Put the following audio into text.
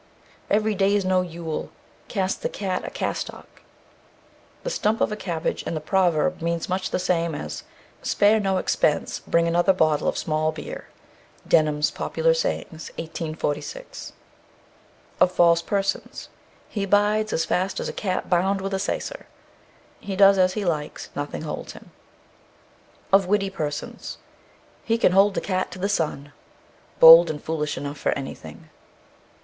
Every day's no yule; cast the cat a castock. The stump of a cabbage, and the proverb means much the same thing as "Spare no expense, bring another bottle of small beer." DENHAM'S Popular Sayings, 1846. OF FALSE PERSONS. He bydes as fast as a cat bound with a sacer. He does as he likes; nothing holds him. OF WITTIE PERSONS. He can hold the cat to the sun. Bold and foolish enough for anything.